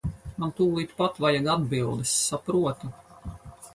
Man tūlīt pat vajag atbildes, saproti.